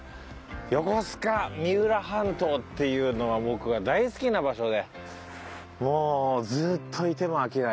横須賀三浦半島っていうのは僕は大好きな場所でもうずっといても飽きないね。